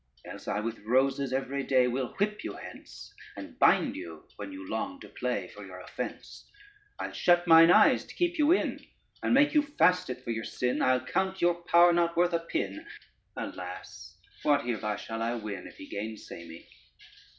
Else I with roses every day Will whip you hence, And bind you, when you long to play, For your offence; I'll shut mine eyes to keep you in, I'll make you fast it for your sin, I'll count your power not worth a pin. Alas, what hereby shall I win, If he gainsay me?